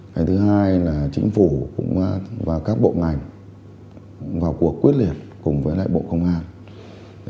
cái thứ hai là chính phủ cũng và các bộ ngành vào cuộc quyết liệt cùng với lại bộ công an